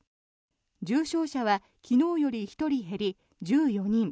重症者は昨日より１人減り１４人。